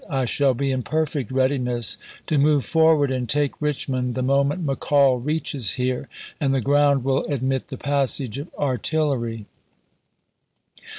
I shall he in perfect readiness w. R. to move forward and take Richmond the moment McCall ^Tani' reaches here and the ground will admit the passage of p *«• artillery.